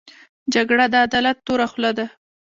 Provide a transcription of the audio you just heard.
جګړه د عدالت توره خوله ده